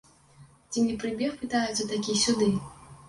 Ці не прыбег, пытаюцца, такі сюды?